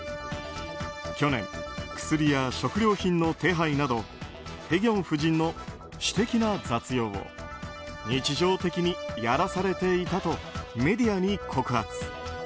去年、薬や食料品の手配などヘギョン夫人の私的な雑用を日常的にやらされていたとメディアに告発。